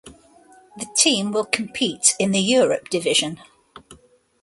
The team will compete in the Europe division.